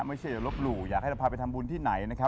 ไม่ใช่อย่าลบหลู่อยากให้เราพาไปทำบุญที่ไหนนะครับ